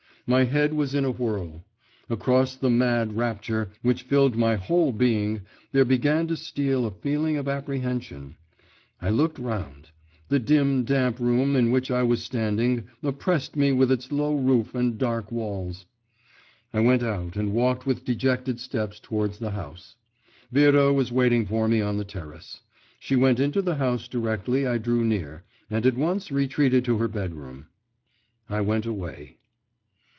My head was in a whirl. Across the mad rapture, which filled my whole being, there began to steal a feeling of apprehension.… I looked round. The dim, damp room in which I was standing oppressed me with its low roof and dark walls. I went out and walked with dejected steps towards the house. Vera was waiting for me on the terrace; she went into the house directly I drew near, and at once retreated to her bedroom. I went away.